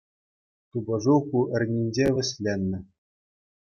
Тупӑшу ку эрнинче вӗҫленнӗ.